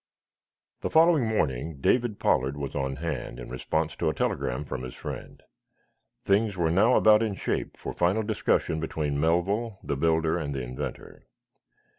The following morning David Pollard was on hand, in response to a telegram from his friend. Things were now about in shape for final discussion between Melville, the builder and the inventor.